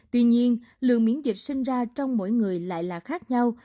tuy nhiên lượng miễn dịch sinh ra trong mỗi người lại là khác nhau